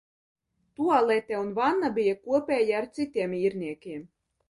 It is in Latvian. Tualete un vanna bija kopēja ar citiem īrniekiem.